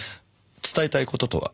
伝えたい事とは？